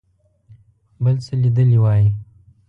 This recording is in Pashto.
بل څه لیدلي وای.